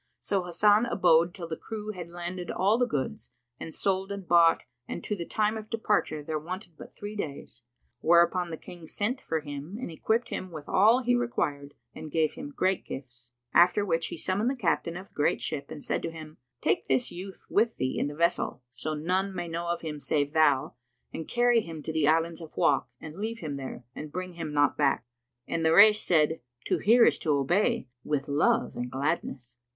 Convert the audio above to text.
So Hasan abode till the crew had landed all the goods and sold and bought and to the time of departure there wanted but three days; whereupon the King sent for him and equipped him with all he required and gave him great gifts: after which he summoned the captain of the great ship and said to him, "Take this youth with thee in the vessel, so none may know of him save thou, and carry him to the Islands of Wak and leave him there; and bring him not back." And the Rais said, "To hear is to obey: with love and gladness!"